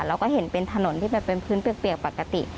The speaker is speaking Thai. เราก็เห็นเป็นถนนที่แบบเป็นพื้นเปียกปกติ